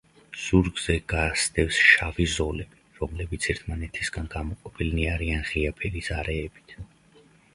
ზურგზე გასდევს შავი ზოლები, რომლებიც ერთმანეთისგან გამოყოფილნი არიან ღია ფერის არეებით.